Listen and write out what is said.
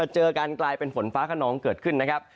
เจอกันกลายเป็นฝนฟ้าขนองเกิดขึ้นนะครับ